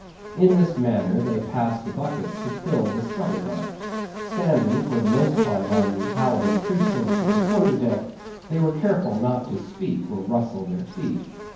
In this manner, they passed the buckets to fill the scuttle butt. Standing, for the most part, on the hallowed precincts of the quarter deck, they were careful not to speak or rustle their feet.